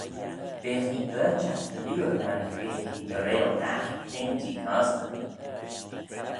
Veagh ee berçhagh dy liooar mannagh beagh ee baarail dagh ping t'ee cosney.